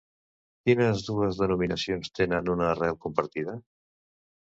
Quines dues denominacions tenen una arrel compartida?